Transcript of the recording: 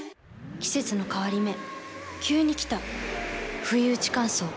季節の変わり目急に来たふいうち乾燥。